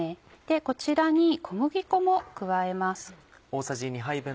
こちらに小麦粉も加えます。